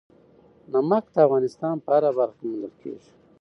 نمک د افغانستان په هره برخه کې موندل کېږي.